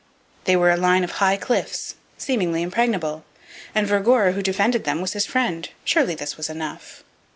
They were a line of high cliffs, seemingly impregnable, and Vergor who defended them was his friend. Surely this was enough!